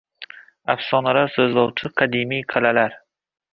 Afsonalar so‘zlovchi qadimiy qal’alar